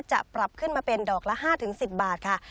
จะปรับขึ้นมาเป็นดอกละ๕๑๐บาทค่ะ